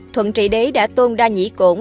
thuận trị đấy đã tôn đa nhĩ cổn